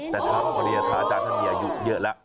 แต่ถ้าพระอาจารย์ท่านเมียอายุเยอะแล้ว